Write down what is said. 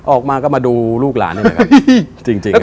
ออกมาก็มาดูลูกหลานนี่แหละครับจริง